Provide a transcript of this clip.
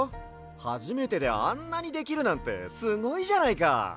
はじめてであんなにできるなんてすごいじゃないか！